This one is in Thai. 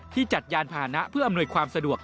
จัดยานพานะเพื่ออำนวยความสะดวก